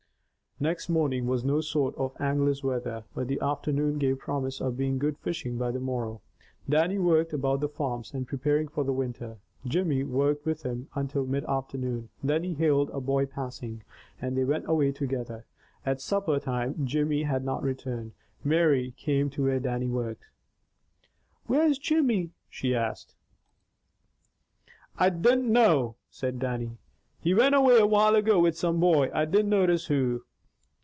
Next morning was no sort of angler's weather, but the afternoon gave promise of being good fishing by the morrow. Dannie worked about the farms, preparing for winter; Jimmy worked with him until mid afternoon, then he hailed a boy passing, and they went away together. At supper time Jimmy had not returned. Mary came to where Dannie worked. "Where's Jimmy?" she asked. "I dinna, know" said Dannie. "He went away a while ago with some boy, I didna notice who."